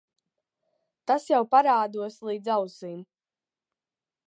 Tas jau parādos līdz ausīm.